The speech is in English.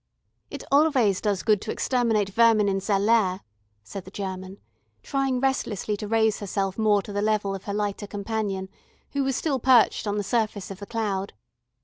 "It always does good to exterminate vermin in their lair," said the German, trying restlessly to raise herself more to the level of her lighter companion, who was still perched on the surface of the cloud.